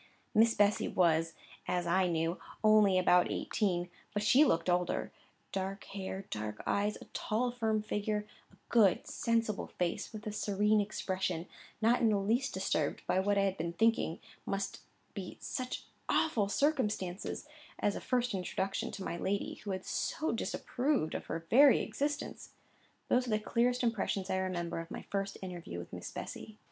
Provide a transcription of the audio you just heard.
Miss Bessy was, as I knew, only about eighteen, but she looked older. Dark hair, dark eyes, a tall, firm figure, a good, sensible face, with a serene expression, not in the least disturbed by what I had been thinking must be such awful circumstances as a first introduction to my lady, who had so disapproved of her very existence: those are the clearest impressions I remember of my first interview with Miss Bessy.